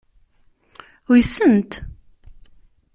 Uysen-t.